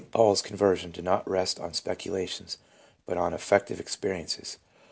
Paul's con version did not rest on speculations, but on affective experi ences.